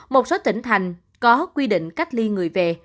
một số tỉnh thành có quy định cách ly người về